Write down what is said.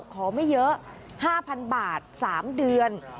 ขอไม่เยอะ๕๐๐๐บาท๓เดือน